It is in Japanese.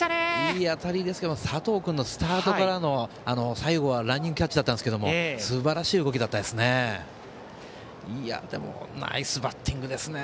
いい当たりですが佐藤君のスタートからの最後はランニングキャッチですがすばらしい動きだったですね。